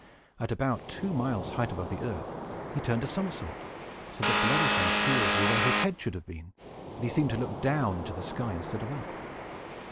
At about two miles' height above the earth, he turned a somerset, so that Bellerophon's heels were where his head should have been, and he seemed to look down into the sky, instead of up.